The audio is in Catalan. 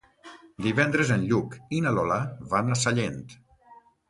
Divendres en Lluc i na Lola van a Sallent.